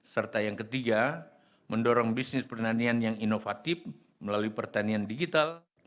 serta yang ketiga mendorong bisnis pertanian yang inovatif melalui pertanian digital